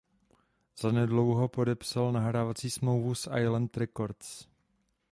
Zanedlouho podepsal nahrávací smlouvu s Island Records.